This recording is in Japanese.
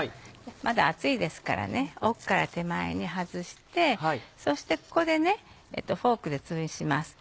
まだ熱いですから奥から手前に外してそしてここでフォークでつぶします。